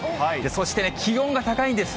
そして気温が高いんです。